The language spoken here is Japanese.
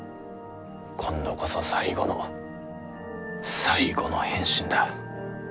今度こそ最後の最後の変身だ。